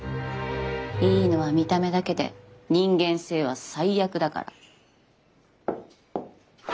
いいのは見た目だけで人間性は最悪だから。